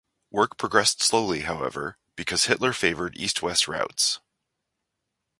Work progressed slowly, however, because Hitler favored east-west routes.